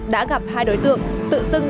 đã gặp hai đối tượng tự xưng